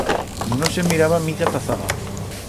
No se miraba mica ta zaga.